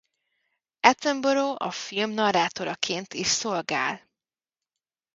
Attenborough a film narrátoraként is szolgál.